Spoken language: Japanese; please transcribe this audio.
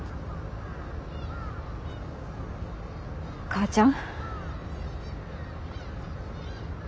母ちゃん。